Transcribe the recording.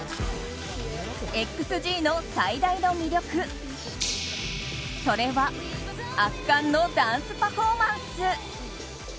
ＸＧの最大の魅力、それは圧巻のダンスパフォーマンス。